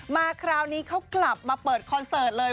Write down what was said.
มาคราวนี้เขากลับมาเปิดคอนเสิร์ตเลย